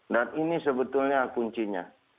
dan ini sebetulnya kuncinya